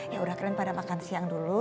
ya udah kalian pada makan siang dulu